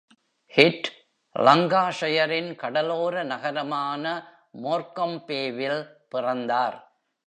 Hirt, லங்காஷையரின் கடலோர நகரமான மோர்கம்பேவில் பிறந்தார்.